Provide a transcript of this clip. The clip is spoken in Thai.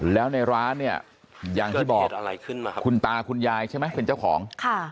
แล้วในร้านเนี่ยอย่างที่บอกคุณตาคุณยายใช่ไหมเป็นเจ้าของ